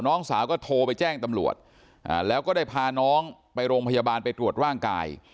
น้องสาวก็โทรไปแจ้งตำรวจแล้วก็ได้พาน้องไปโรงพยาบาลไปตรวจร่างกาย